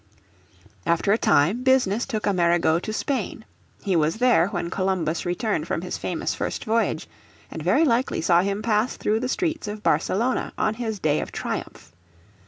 After a time business took Amerigo to Spain. He was there when Columbus returned from his famous first voyage, and very likely saw him pass through the streets of Barcelona on his day of triumph.